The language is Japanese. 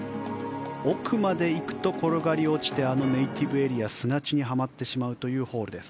奥まで行くと転がり落ちてネイティブエリア砂地にはまってしまうというホールです。